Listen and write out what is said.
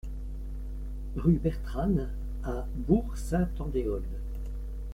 Rue Bertranne à Bourg-Saint-Andéol